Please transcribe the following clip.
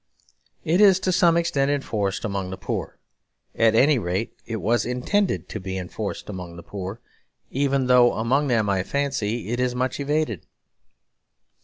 It is to some extent enforced among the poor; at any rate it was intended to be enforced among the poor; though even among them I fancy it is much evaded.